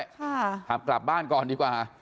ขับกลับบ้านก่อนดีกว่า